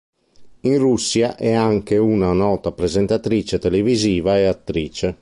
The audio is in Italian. In Russia è anche una nota presentatrice televisiva e attrice.